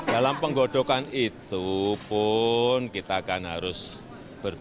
dalam penggodokan itu pun kita akan harus berpikir